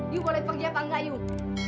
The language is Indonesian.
yuk boleh pergi apa nggak yuk